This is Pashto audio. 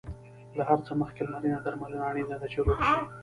له هر څه مخکې لمرینه درملنه اړینه ده، چې روغ شې.